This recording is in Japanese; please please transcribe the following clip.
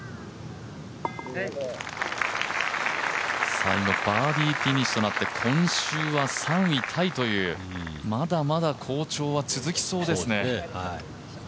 最後バーディーフィニッシュとなって今週は３位タイというまだまだ好調は続きそうですね。